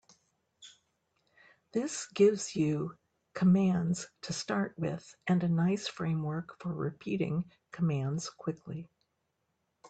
This gives you commands to start with and a nice framework for repeating commands quickly.